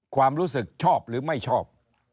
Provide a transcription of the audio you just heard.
ความรู้สึกชอบหรือไม่ชอบ